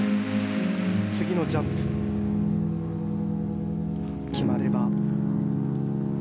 次のジャンプ決まれば世界初。